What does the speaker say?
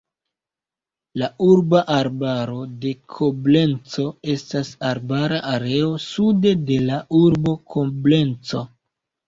La urba arbaro de Koblenco estas arbara areo sude de la urbo Koblenco.